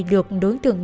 được đối tượng